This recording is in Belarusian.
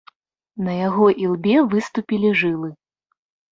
На яго ілбе выступілі жылы.